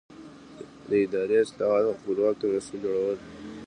د اداري اصلاحاتو خپلواک کمیسیون جوړول.